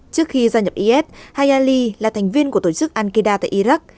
trước khi gia nhập is hayali là thành viên của tổ chức al qaeda tại iraq